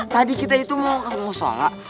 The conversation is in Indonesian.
tadi kita itu mau kesemu sholat